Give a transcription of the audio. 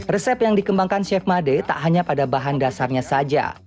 resep yang dikembangkan chef made tak hanya pada bahan dasarnya saja